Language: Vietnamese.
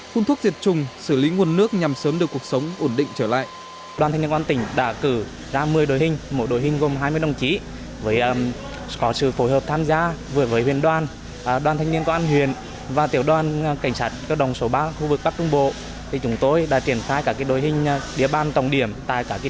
phun thuốc diệt trùng xử lý nguồn nước nhằm sớm được cuộc sống ổn định trở lại